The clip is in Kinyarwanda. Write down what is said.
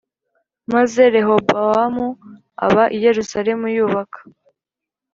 Maze Rehobowamu aba i Yerusalemu yubaka